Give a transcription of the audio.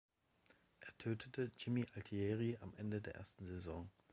Er tötete Jimmy Altieri am Ende der ersten Saison.